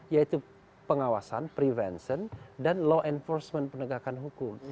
yaitu pengawasan prevention dan law enforcement penegakan hukum